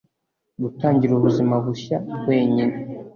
gutangira ubuzima bushya wenyine.